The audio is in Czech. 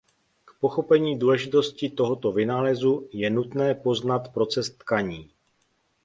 K pochopení důležitosti tohoto vynálezu je nutné poznat proces tkaní.